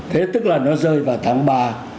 thế tức là nó rơi vào tháng ba